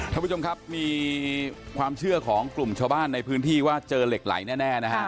ท่านผู้ชมครับมีความเชื่อของกลุ่มชาวบ้านในพื้นที่ว่าเจอเหล็กไหลแน่นะฮะ